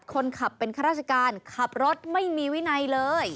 คนขับเป็นข้าราชการขับรถไม่มีวินัยเลย